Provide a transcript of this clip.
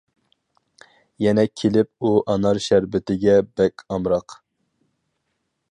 يەنە كېلىپ ئۇ ئانار شەربىتىگە بەك ئامراق.